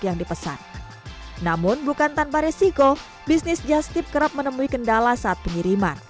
yang dipesan namun bukan tanpa resiko bisnis just tip kerap menemui kendala saat pengiriman